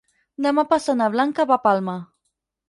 Demà passat na Blanca va a Palma.